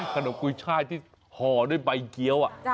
กุยช่ายที่ห่อด้วยใบเกี้ยว